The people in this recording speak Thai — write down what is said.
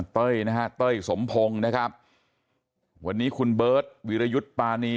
เต้ยนะฮะเต้ยสมพงศ์นะครับวันนี้คุณเบิร์ตวิรยุทธ์ปานี